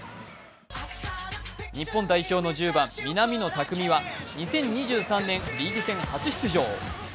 日本代表の１０番・南野拓実は２０２３年リーグ戦初出場。